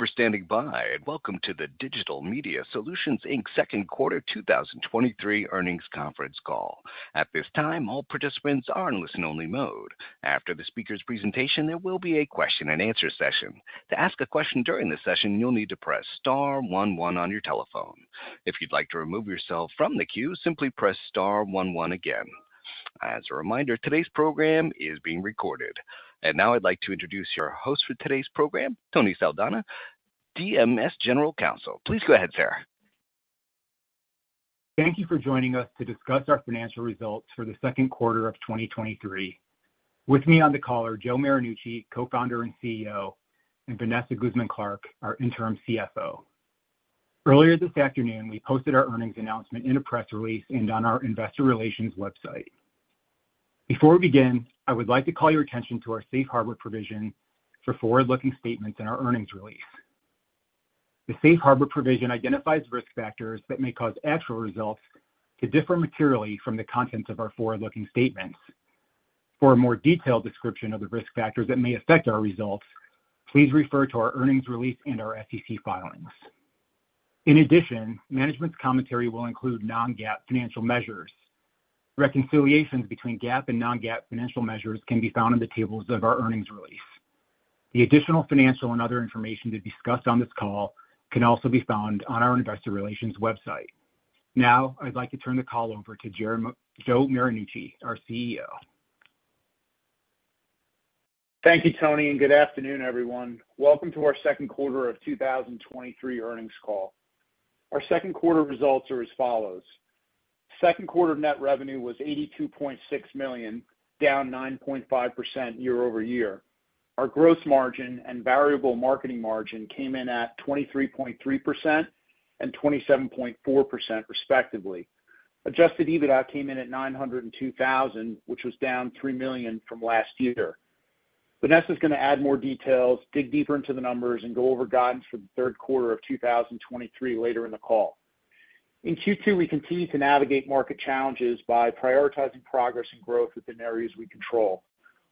Thank you for standing by, and welcome to the Digital Media Solutions, Inc.'s 2nd quarter 2023 earnings conference call. At this time, all participants are in listen-only mode. After the speaker's presentation, there will be a Q&A session. To ask a question during this session, you'll need to press star one one on your telephone. If you'd like to remove yourself from the queue, simply press star one one again. As a reminder, today's program is being recorded. Now I'd like to introduce your host for today's program, Tony Saldana, DMS General Counsel. Please go ahead, sir. Thank you for joining us to discuss our financial results for the second quarter of 2023. With me on the call are Joe Marinucci, Co-founder and CEO, and Vanessa Guzmán-Clark, our interim CFO. Earlier this afternoon, we posted our earnings announcement in a press release and on our investor relations website. Before we begin, I would like to call your attention to our safe harbor provision for forward-looking statements in our earnings release. The safe harbor provision identifies risk factors that may cause actual results to differ materially from the contents of our forward-looking statements. For a more detailed description of the risk factors that may affect our results, please refer to our earnings release and our SEC filings. In addition, management's commentary will include non-GAAP financial measures. Reconciliations between GAAP and non-GAAP financial measures can be found in the tables of our earnings release. The additional financial and other information to be discussed on this call can also be found on our investor relations website. Now, I'd like to turn the call over to Joe Marinucci, our CEO. Thank you, Tony. Good afternoon, everyone. Welcome to our second quarter of 2023 earnings call. Our second quarter results are as follows: Second quarter net revenue was $82.6 million, down 9.5% year-over-year. Our gross margin and variable marketing margin came in at 23.3% and 27.4% respectively. Adjusted EBITDA came in at $902,000, which was down $3 million from last year. Vanessa is gonna add more details, dig deeper into the numbers, and go over guidance for the third quarter of 2023 later in the call. In Q2, we continued to navigate market challenges by prioritizing progress and growth within areas we control.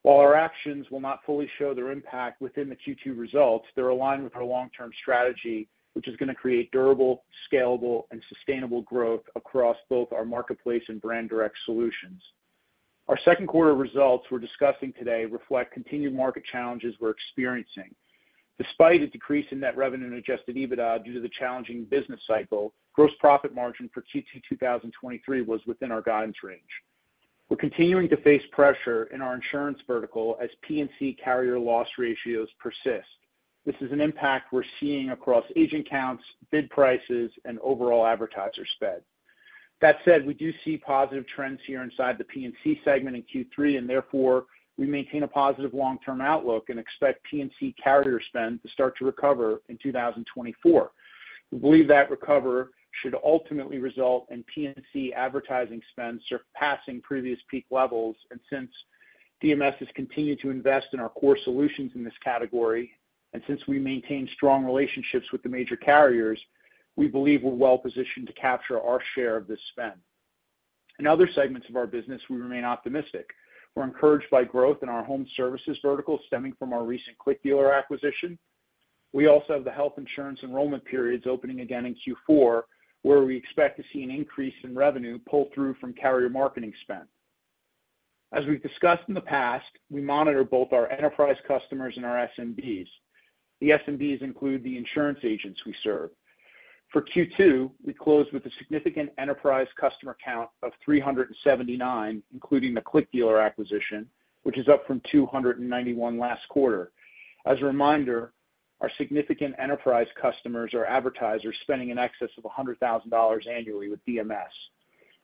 While our actions will not fully show their impact within the Q2 results, they're aligned with our long-term strategy, which is gonna create durable, scalable, and sustainable growth across both our marketplace and brand direct solutions. Our second quarter results we're discussing today reflect continued market challenges we're experiencing. Despite a decrease in net revenue and Adjusted EBITDA due to the challenging business cycle, gross profit margin for Q2 2023 was within our guidance range. We're continuing to face pressure in our insurance vertical as P&C carrier loss ratios persist. This is an impact we're seeing across agent counts, bid prices, and overall advertiser spend. That said, we do see positive trends here inside the P&C segment in Q3, and therefore, we maintain a positive long-term outlook and expect P&C carrier spend to start to recover in 2024. We believe that recovery should ultimately result in P&C advertising spend surpassing previous peak levels, and since DMS has continued to invest in our core solutions in this category, and since we maintain strong relationships with the major carriers, we believe we're well-positioned to capture our share of this spend. In other segments of our business, we remain optimistic. We're encouraged by growth in our home services vertical, stemming from our recent ClickDealer acquisition. We also have the health insurance enrollment periods opening again in Q4, where we expect to see an increase in revenue pull through from carrier marketing spend. As we've discussed in the past, we monitor both our enterprise customers and our SMBs. The SMBs include the insurance agents we serve. For Q2, we closed with a significant enterprise customer count of 379, including the ClickDealer acquisition, which is up from 291 last quarter. As a reminder, our significant enterprise customers are advertisers spending in excess of $100,000 annually with DMS.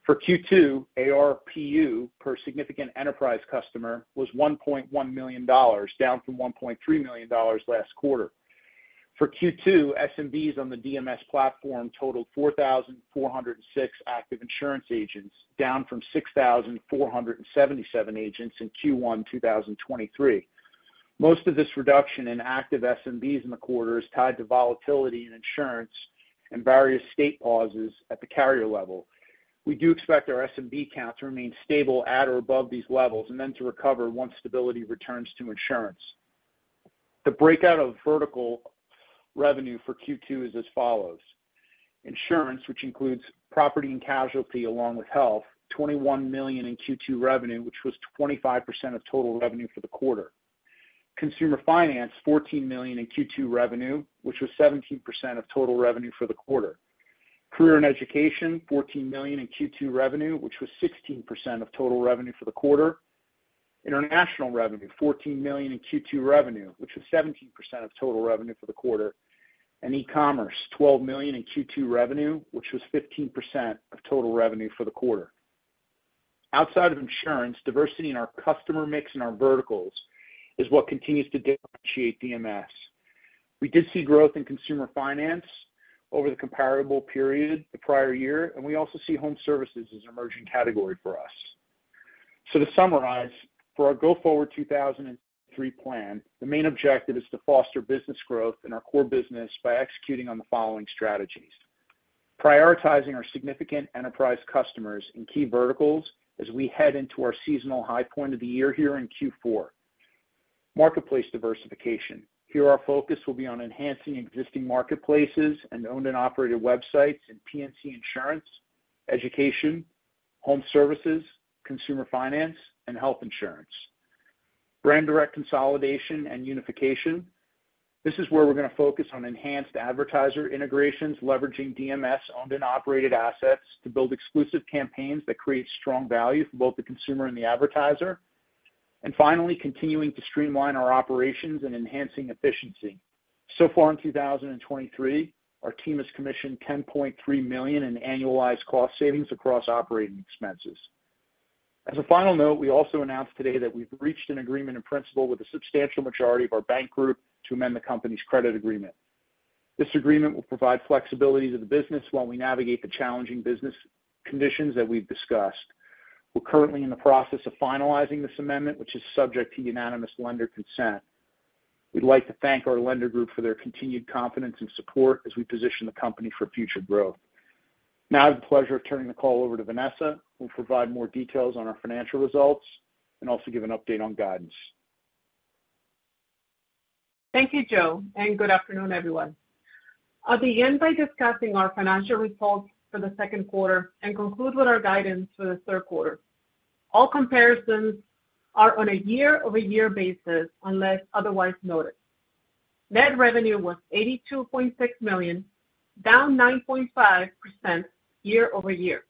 For Q2, ARPU, per significant enterprise customer, was $1.1 million, down from $1.3 million last quarter. For Q2, SMBs on the DMS platform totaled 4,406 active insurance agents, down from 6,477 agents in Q1 2023. Most of this reduction in active SMBs in the quarter is tied to volatility in insurance and various state pauses at the carrier level. We do expect our SMB count to remain stable at or above these levels and then to recover once stability returns to insurance. The breakout of vertical revenue for Q2 is as follows: Insurance, which includes property and casualty, along with health, $21 million in Q2 revenue, which was 25% of total revenue for the quarter. Consumer finance, $14 million in Q2 revenue, which was 17% of total revenue for the quarter. Career and education, $14 million in Q2 revenue, which was 16% of total revenue for the quarter. International revenue, $14 million in Q2 revenue, which was 17% of total revenue for the quarter. E-commerce, $12 million in Q2 revenue, which was 15% of total revenue for the quarter. Outside of insurance, diversity in our customer mix and our verticals is what continues to differentiate DMS. We did see growth in consumer finance over the comparable period the prior year, and we also see home services as an emerging category for us. To summarize, for our go-forward 2023 plan, the main objective is to foster business growth in our core business by executing on the following strategies. Prioritizing our significant enterprise customers in key verticals as we head into our seasonal high point of the year here in Q4. Marketplace diversification. Here, our focus will be on enhancing existing marketplaces and owned and operated websites in P&C Insurance, education, home services, consumer finance, and health insurance. Brand direct consolidation and unification. This is where we're gonna focus on enhanced advertiser integrations, leveraging DMS owned and operated assets to build exclusive campaigns that create strong value for both the consumer and the advertiser. Finally, continuing to streamline our operations and enhancing efficiency. So far in 2023, our team has commissioned $10.3 million in annualized cost savings across operating expenses. As a final note, we also announced today that we've reached an agreement in principle with a substantial majority of our bank group to amend the company's credit agreement. This agreement will provide flexibility to the business while we navigate the challenging business conditions that we've discussed. We're currently in the process of finalizing this amendment, which is subject to unanimous lender consent. We'd like to thank our lender group for their continued confidence and support as we position the company for future growth. I have the pleasure of turning the call over to Vanessa, who will provide more details on our financial results and also give an update on guidance. Thank you, Joe, and good afternoon, everyone. I'll begin by discussing our financial results for the second quarter and conclude with our guidance for the third quarter. All comparisons are on a year-over-year basis, unless otherwise noted. Net revenue was $82.6 million, down 9.5% year-over-year.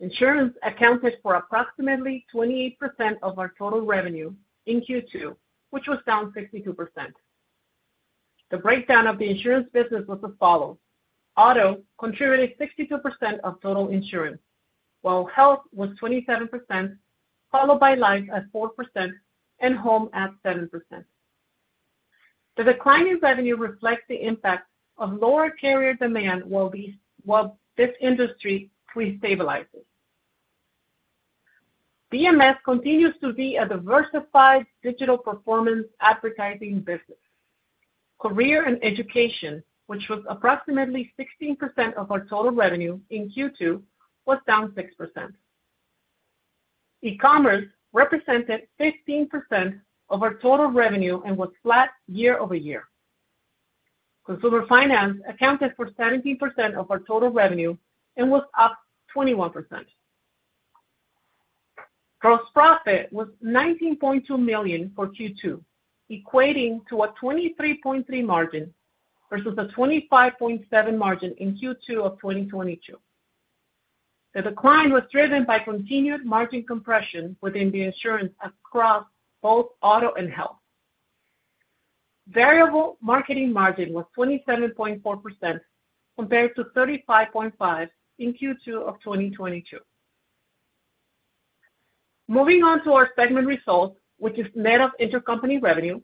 Insurance accounted for approximately 28% of our total revenue in Q2, which was down 62%. The breakdown of the insurance business was as follows: Auto contributed 62% of total insurance, while health was 27%, followed by life at 4% and home at 7%. The decline in revenue reflects the impact of lower carrier demand while this industry restabilizes. DMS continues to be a diversified digital performance advertising business. Career and education, which was approximately 16% of our total revenue in Q2, was down 6%. E-commerce represented 15% of our total revenue and was flat year-over-year. Consumer finance accounted for 17% of our total revenue and was up 21%. Gross profit was $19.2 million for Q2, equating to a 23.3% margin versus a 25.7% margin in Q2 of 2022. The decline was driven by continued margin compression within the insurance across both auto and health. Variable marketing margin was 27.4%, compared to 35.5% in Q2 of 2022. Moving on to our segment results, which is net of intercompany revenue.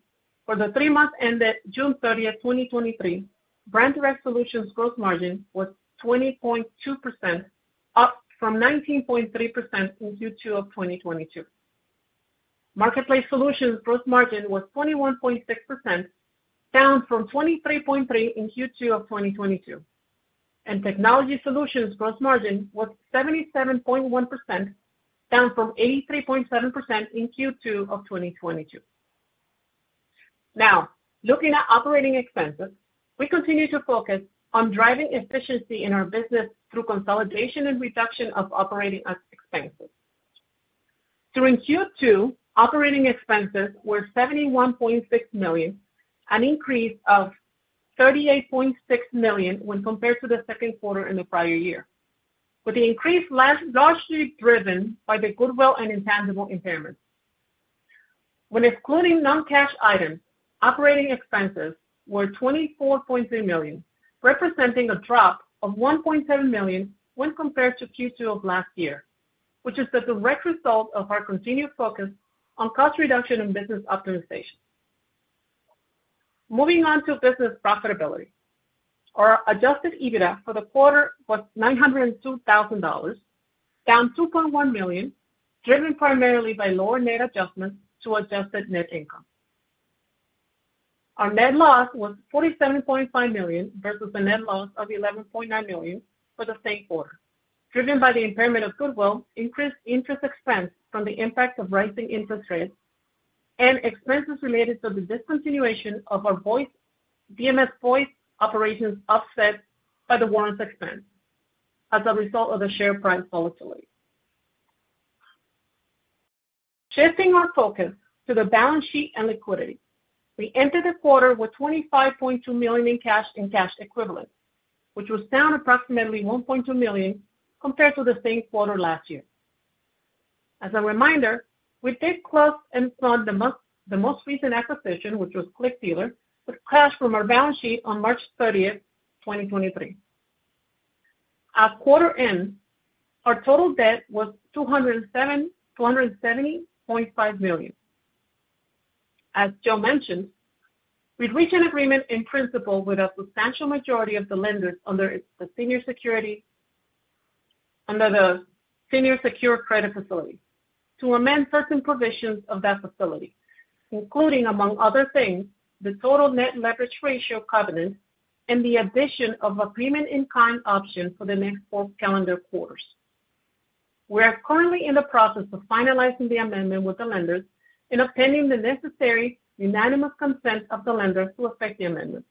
For the three months ended June 30th, 2023, Brand Direct Solutions gross margin was 20.2%, up from 19.3% in Q2 of 2022. Marketplace Solutions gross margin was 21.6%, down from 23.3% in Q2 of 2022, and Technology Solutions gross margin was 77.1%, down from 83.7% in Q2 of 2022. Now, looking at operating expenses, we continue to focus on driving efficiency in our business through consolidation and reduction of operating expenses. During Q2, operating expenses were $71.6 million, an increase of $38.6 million when compared to the second quarter in the prior year, with the increase last largely driven by the goodwill and intangible impairments. When excluding non-cash items, operating expenses were $24.3 million, representing a drop of $1.7 million when compared to Q2 of last year, which is the direct result of our continued focus on cost reduction and business optimization. Moving on to business profitability. Our Adjusted EBITDA for the quarter was $902,000, down $2.1 million, driven primarily by lower net adjustments to adjusted net income. Our net loss was $47.5 million versus a net loss of $11.9 million for the same quarter, driven by the impairment of goodwill, increased interest expense from the impact of rising interest rates, and expenses related to the discontinuation of our DMS Voice operations, offset by the warrants expense as a result of the share price volatility. Shifting our focus to the balance sheet and liquidity. We entered the quarter with $25.2 million in cash and cash equivalents, which was down approximately $1.2 million compared to the same quarter last year. As a reminder, we did close and fund the most recent acquisition, which was ClickDealer, with cash from our balance sheet on March 30th, 2023. At quarter end, our total debt was $270.5 million. As Joe mentioned, we've reached an agreement in principle with a substantial majority of the lenders under the senior secured credit facility to amend certain provisions of that facility, including, among other things, the total net leverage ratio covenants and the addition of a payment in kind option for the next four calendar quarters. We are currently in the process of finalizing the amendment with the lenders and obtaining the necessary unanimous consent of the lenders to affect the amendment.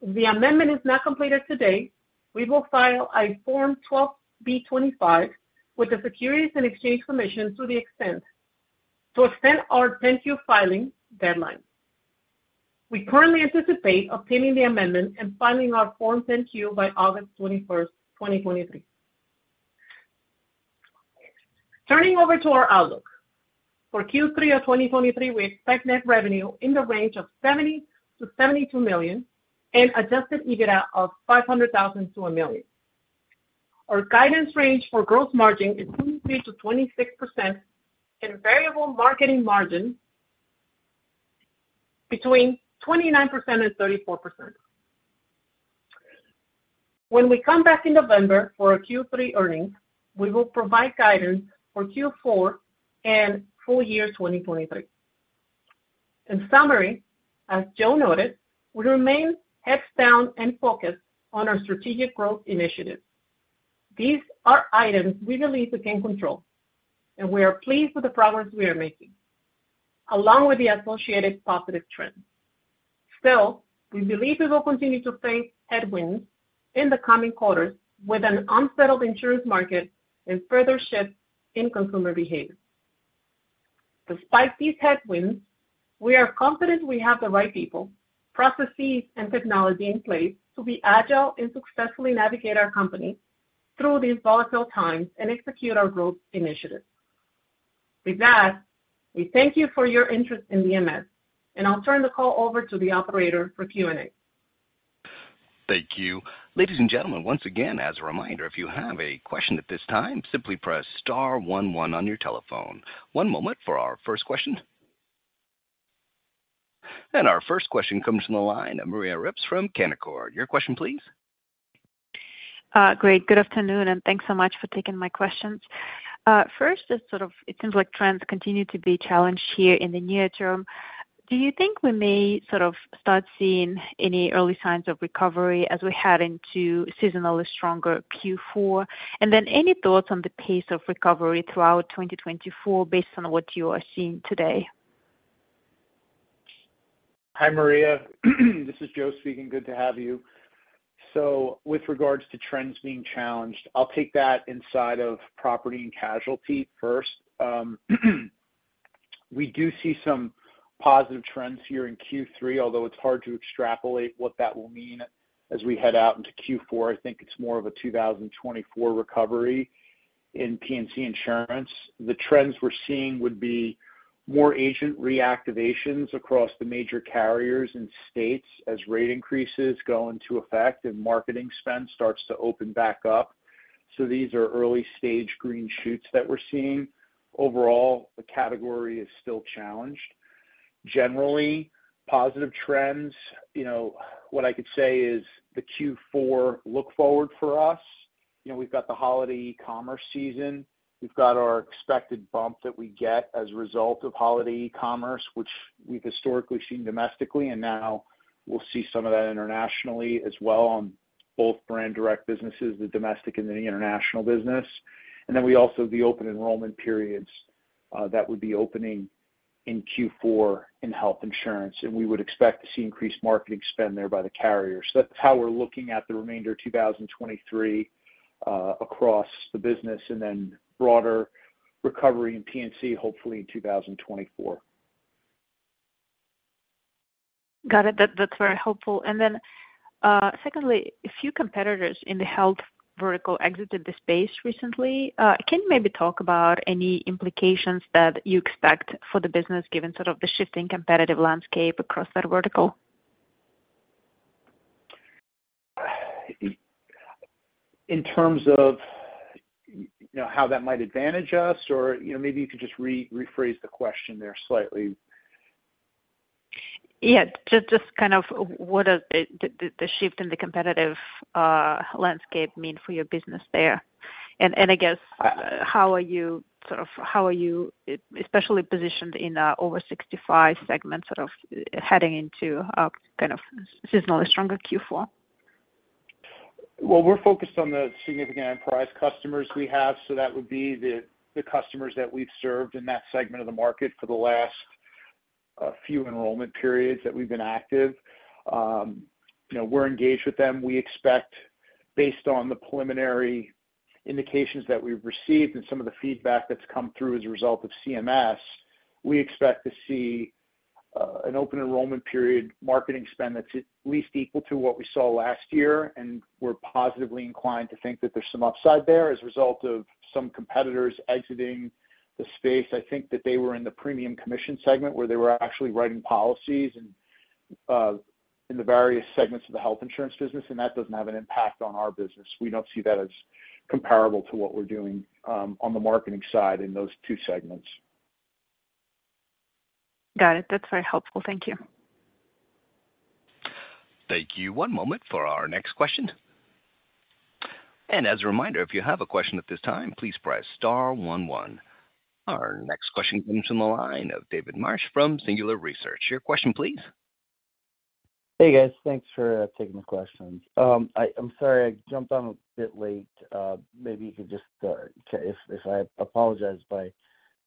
If the amendment is not completed today, we will file a Form 12b-25 with the Securities and Exchange Commission to extend our 10-Q filing deadline. We currently anticipate obtaining the amendment and filing our Form 10-Q by August 21st, 2023. Turning over to our outlook. For Q3 of 2023, we expect net revenue in the range of $70 million-$72 million and Adjusted EBITDA of $500,000-$1 million. Our guidance range for gross margin is 23%-26% and variable marketing margin between 29% and 34%. When we come back in November for our Q3 earnings, we will provide guidance for Q4 and full year 2023. In summary, as Joe noted, we remain heads down and focused on our strategic growth initiatives. These are items we believe we can control, and we are pleased with the progress we are making, along with the associated positive trends. Still, we believe we will continue to face headwinds in the coming quarters with an unsettled insurance market and further shifts in consumer behavior. Despite these headwinds, we are confident we have the right people, processes, and technology in place to be agile and successfully navigate our company through these volatile times and execute our growth initiatives. With that, we thank you for your interest in DMS, and I'll turn the call over to the operator for Q&A. Thank you. Ladies and gentlemen, once again, as a reminder, if you have a question at this time, simply press star one one on your telephone. One moment for our first question. Our first question comes from the line, Maria Ripps from Canaccord. Your question, please. Great. Good afternoon, and thanks so much for taking my questions. First, it seems like trends continue to be challenged here in the near term. Do you think we may start seeing any early signs of recovery as we head into seasonally stronger Q4? Then any thoughts on the pace of recovery throughout 2024 based on what you are seeing today? Hi, Maria. This is Joe speaking. Good to have you. With regards to trends being challenged, I'll take that inside of property and casualty first. We do see some positive trends here in Q3, although it's hard to extrapolate what that will mean as we head out into Q4. I think it's more of a 2024 recovery in P&C insurance. The trends we're seeing would be more agent reactivations across the major carriers and states as rate increases go into effect and marketing spend starts to open back up. These are early-stage green shoots that we're seeing. Overall, the category is still challenged. Generally, positive trends, you know, what I could say is the Q4 look forward for us. You know, we've got the holiday e-commerce season. We've got our expected bump that we get as a result of holiday e-commerce, which we've historically seen domestically, and now we'll see some of that internationally as well on both brand direct businesses, the domestic and the international business. We also have the open enrollment periods, that would be opening in Q4 in health insurance, and we would expect to see increased marketing spend there by the carrier. That's how we're looking at the remainder of 2023, across the business and then broader recovery in P&C, hopefully in 2024. Got it. That, that's very helpful. Then, secondly, a few competitors in the health vertical exited the space recently. Can you maybe talk about any implications that you expect for the business, given sort of the shifting competitive landscape across that vertical? In terms of, you know, how that might advantage us, or, you know, maybe you could just rephrase the question there slightly. Yeah, just, just kind of what are the, the, the shift in the competitive landscape mean for your business there? I guess, how are you especially positioned in over-65 segments, sort of heading into a kind of seasonally stronger Q4? Well, we're focused on the significant enterprise customers we have, so that would be the, the customers that we've served in that segment of the market for the last few enrollment periods that we've been active. You know, we're engaged with them. We expect, based on the preliminary indications that we've received and some of the feedback that's come through as a result of CMS, we expect to see an open enrollment period marketing spend that's at least equal to what we saw last year, and we're positively inclined to think that there's some upside there as a result of some competitors exiting the space. I think that they were in the premium commission segment, where they were actually writing policies and in the various segments of the health insurance business, and that doesn't have an impact on our business. We don't see that as comparable to what we're doing, on the marketing side in those two segments. Got it. That's very helpful. Thank you. Thank you. One moment for our next question. And as a reminder, if you have a question at this time, please press star one, one. Our next question comes from the line of David Marsh from Singular Research. Your question, please. Hey, guys. Thanks for taking the questions. I'm sorry I jumped on a bit late. Maybe you could just start, if, if I apologize if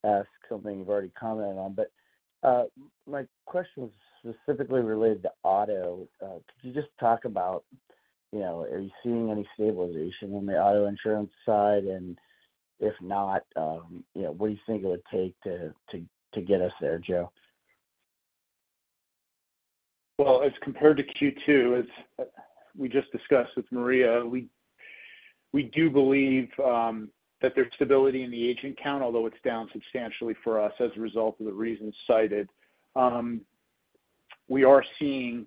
I ask something you've already commented on, but my question was specifically related to auto. Could you just talk about, you know, are you seeing any stabilization on the auto insurance side? If not, you know, what do you think it would take to, to, to get us there, Joe? As compared to Q2, as we just discussed with Maria, we, we do believe that there's stability in the agent count, although it's down substantially for us as a result of the reasons cited. We are seeing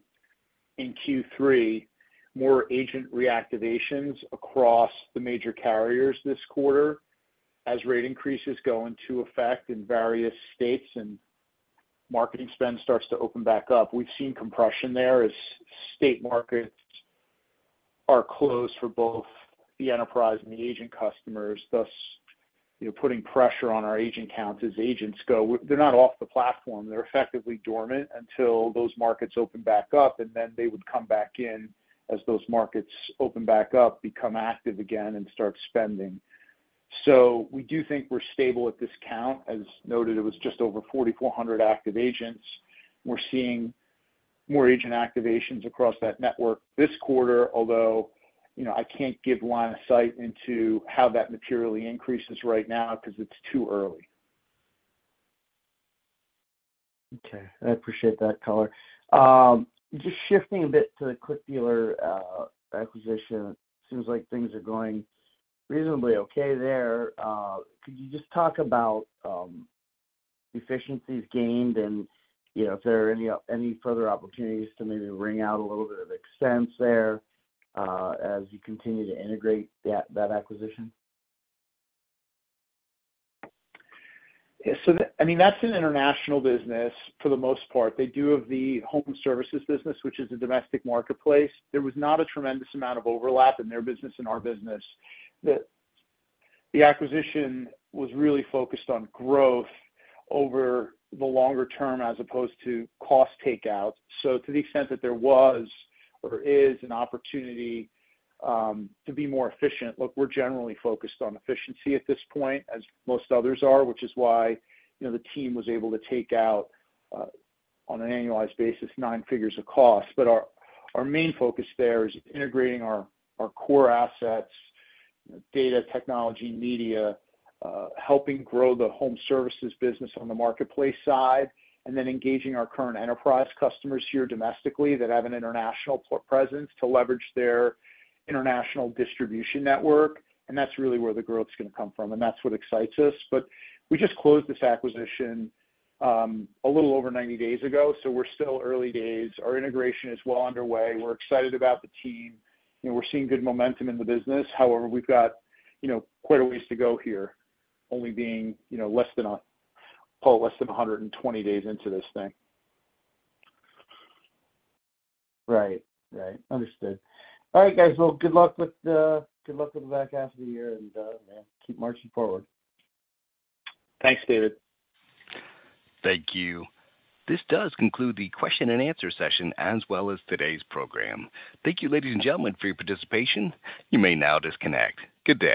in Q3, more agent reactivations across the major carriers this quarter, as rate increases go into effect in various states and marketing spend starts to open back up. We've seen compression there as state markets are closed for both the enterprise and the agent customers, thus, you know, putting pressure on our agent counts as agents go. They're not off the platform. They're effectively dormant until those markets open back up, and then they would come back in as those markets open back up, become active again and start spending. We do think we're stable at this count. As noted, it was just over 4,400 active agents. We're seeing more agent activations across that network this quarter, although, you know, I can't give line of sight into how that materially increases right now because it's too early. Okay, I appreciate that color. Just shifting a bit to the ClickDealer acquisition, it seems like things are going reasonably okay there. Could you just talk about efficiencies gained and, you know, if there are any, any further opportunities to maybe wring out a little bit of expense there, as you continue to integrate that, that acquisition? Yeah, so the... I mean, that's an international business for the most part. They do have the home services business, which is a domestic marketplace. There was not a tremendous amount of overlap in their business and our business. The, the acquisition was really focused on growth over the longer term as opposed to cost takeout. To the extent that there was or is an opportunity to be more efficient, look, we're generally focused on efficiency at this point, as most others are, which is why, you know, the team was able to take out on an annualized basis, nine figures of cost. Our, our main focus there is integrating our, our core assets, data, technology, media, helping grow the home services business on the marketplace side, and then engaging our current enterprise customers here domestically that have an international presence to leverage their international distribution network. That's really where the growth is going to come from, and that's what excites us. We just closed this acquisition, a little over 90 days ago, so we're still early days. Our integration is well underway. We're excited about the team, and we're seeing good momentum in the business. However, we've got, you know, quite a ways to go here, only being, you know, less than a, less than 120 days into this thing. Right. Right. Understood. All right, guys, well, good luck with the, good luck with the back half of the year, yeah, keep marching forward. Thanks, David. Thank you. This does conclude the question and answer session, as well as today's program. Thank you, ladies and gentlemen, for your participation. You may now disconnect. Good day.